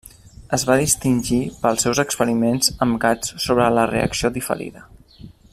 Es va distingir pels seus experiments amb gats sobre la reacció diferida.